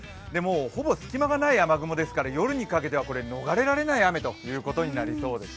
ほぼ隙間がない雨雲ですから夜にかけては逃れられない雨となりそうです。